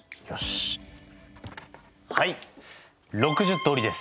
はい６０通りです。